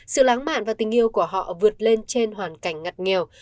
sự lãng mạn và tình yêu của họ vượt lên trên hoàn cảnh ngặt nghèo